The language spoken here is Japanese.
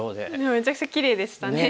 めちゃくちゃきれいでしたね。